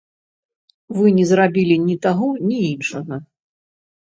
Вы не зрабілі ні таго, ні іншага.